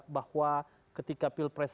bahwa ketika pilpres